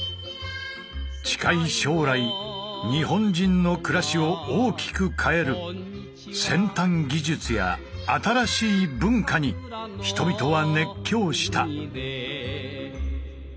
近い将来日本人の暮らしを大きく変える「先端技術」や「新しい文化」に人々は熱狂した。